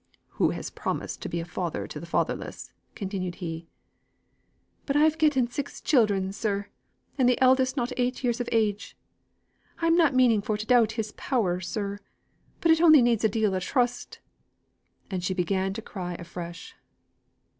"Who has promised to be a father to the fatherless?" continued he. "But I've getten six children, sir, and the eldest not eight years of age. I'm not meaning for to doubt His power, sir, only it needs a deal o' trust"; and she began to cry afresh.